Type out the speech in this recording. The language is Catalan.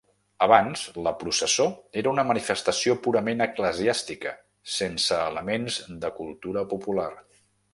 Abans la processó era una manifestació purament eclesiàstica, sense elements de cultura popular.